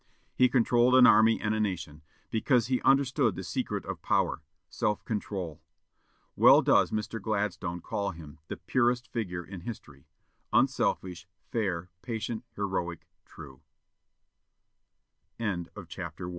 He controlled an army and a nation, because he understood the secret of power self control. Well does Mr. Gladstone call him the "purest figure in history;" unselfish, fair, patient, heroic, true. [Illustration: Benj.